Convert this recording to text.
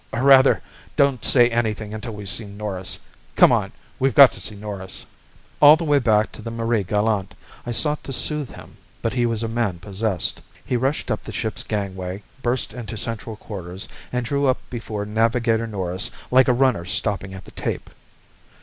"Or rather, don't say anything until we've seen Norris. Come on. We've got to see Norris." All the way back to the Marie Galante, I sought to soothe him, but he was a man possessed. He rushed up the ship's gangway, burst into central quarters and drew up before Navigator Norris like a runner stopping at the tape.